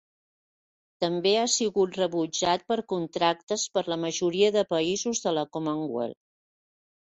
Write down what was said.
També ha sigut rebutjat per contractes per la majoria de països de la Commonwealth.